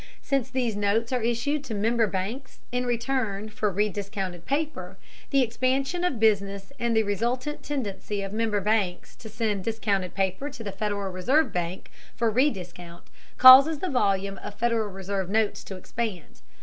Since these notes are issued to member banks in return for rediscounted paper, the expansion of business and the resultant tendency of member banks to send discounted paper to the Federal Reserve bank for rediscount causes the volume of Federal Reserve notes to expand.